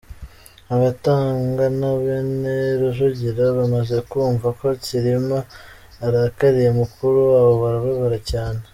Abatangana bene Rujugira bamaze kumva ko Cyilima arakariye mukuru wabo barababara cyane.